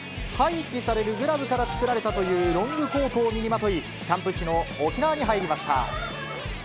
廃棄されるグラブから作られたというロングコートを身にまとい、キャンプ地の沖縄に入りました。